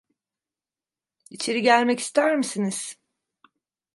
İçeri gelmek ister misiniz?